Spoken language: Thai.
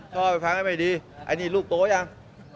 พ่อไปฟังให้ไม่ดีไอ้นี่ลูกโตยัง